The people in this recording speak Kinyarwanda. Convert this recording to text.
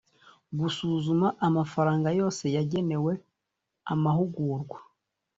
gusuzuma amafaranga yose yagenewe amahugurwa